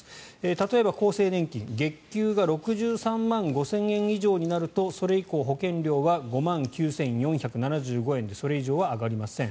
例えば、厚生年金月給が６３万５０００円以上になるとそれ以降保険料は５万９４７５円でそれ以上は上がりません。